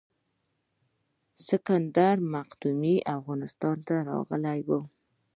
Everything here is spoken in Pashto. اسکندر مقدوني افغانستان ته راغلی و